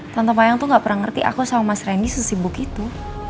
tante mayang tuh gak pernah ngerti aku sama mas reni sesibuk gitu